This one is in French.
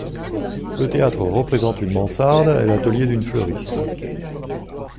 Le théâtre représente une mansarde et l’atelier d’une fleuriste.